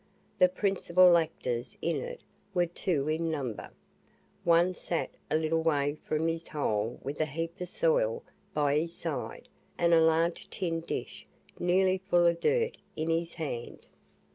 The principal actors in it were two in number. One sat a little way from his hole with a heap of soil by his side, and a large tin dish nearly full of dirt in his hand.